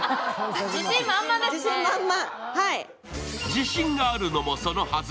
自信があるのもそのはず。